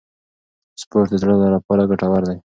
سپورت د زړه لپاره ګټور دی.